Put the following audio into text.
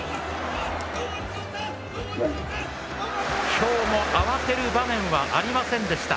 今日も慌てる場面はありませんでした。